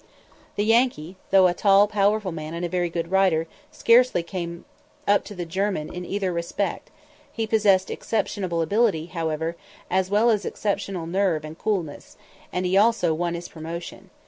The Yankee, though a tall, powerful man and a very good rider, scarcely came up to the German in either respect; he possessed exceptional ability, however, as well as exceptional nerve and coolness, and he also won his promotion.